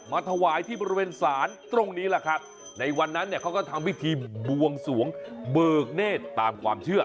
มาถวายที่บริเวณศาลตรงนี้แหละครับในวันนั้นเนี่ยเขาก็ทำพิธีบวงสวงเบิกเนธตามความเชื่อ